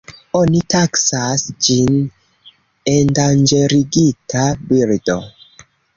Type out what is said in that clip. Oni taksas ĝin endanĝerigita birdo.